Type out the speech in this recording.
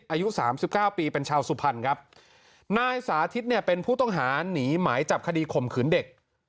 อายุ๓๙ปีเป็นชาวสุพรรณครับนายสาธิตเป็นผู้ต้องหาหนีหมายจับคดีข่มขืนเด็ก